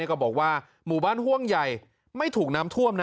ก็บอกว่าหมู่บ้านห่วงใหญ่ไม่ถูกน้ำท่วมนะ